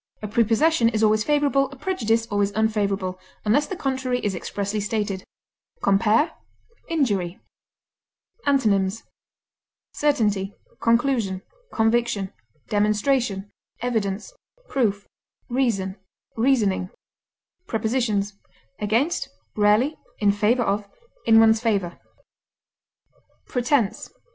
A prepossession is always favorable, a prejudice always unfavorable, unless the contrary is expressly stated. Compare INJURY. Antonyms: certainty, conviction, evidence, reason, conclusion, demonstration, proof, reasoning. Prepositions: Against; rarely, in favor of, in one's favor. PRETENSE.